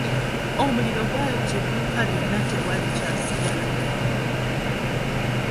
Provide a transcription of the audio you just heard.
Omuliro gwayokya edduuka lyonna tewali kyasigalawo.